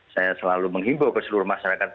saya selalu menghimbau ke seluruh masyarakat